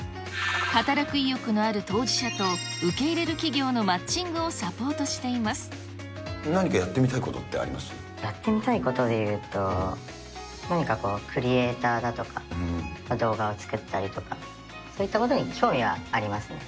働く意欲のある当事者と受け入れる企業のマッチングをサポートし何かやってみたいことってあやってみたいことでいうと、何かこう、クリエーターだとか、動画を作ったりとか、そういったことに興味はありますね。